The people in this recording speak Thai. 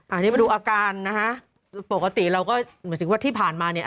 อันนี้มาดูอาการนะฮะปกติเราก็หมายถึงว่าที่ผ่านมาเนี่ย